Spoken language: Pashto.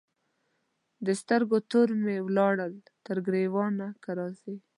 د سترګو تور مي ولاړل تر ګرېوانه که راځې